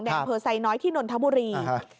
แดงเผอร์ไซส์น้อยที่นนทบุรี